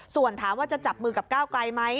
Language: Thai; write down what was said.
ส่วนถามว่าจะจับมือกับก้าวไกลไหม